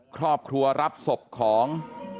ครอบครัวรับศพของ